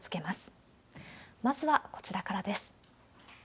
まずはこちらからです。